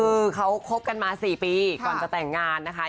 คือเขาคบกันมา๔ปีก่อนจะแต่งงานนะคะ